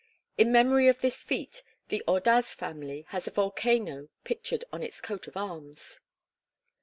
In memory of this feat, the Ordaz family has a volcano pictured on its coat of arms.